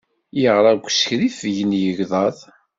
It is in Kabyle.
Yeɣra deg usriffeg n yegḍaḍ.